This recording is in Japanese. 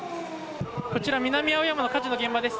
南青山の火事の現場です。